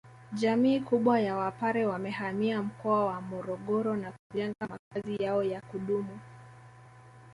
Jamii kubwa ya wapare wamehamia mkoa wa Morogoro na kujenga makazi yao yakudumu